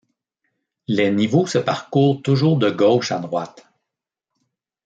Les niveaux se parcourent toujours de gauche à droite.